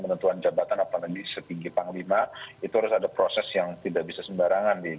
penentuan jabatan apalagi setinggi panglima itu harus ada proses yang tidak bisa sembarangan